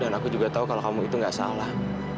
dan aku juga tau kalau kamu itu gak salah